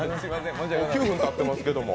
９分たってますけど。